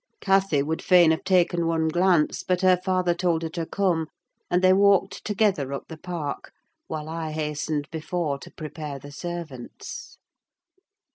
Cathy would fain have taken one glance, but her father told her to come, and they walked together up the park, while I hastened before to prepare the servants.